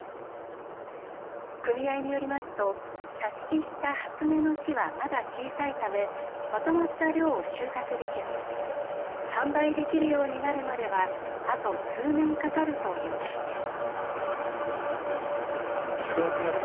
組合によりますと挿し木した初音の木はまだ小さいためまとまった量を収穫できず販売できるようになるまではあと数年かかるということです。